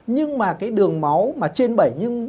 nhưng mà cái đường máu mà trên bảy mm